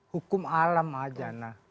hukum alam aja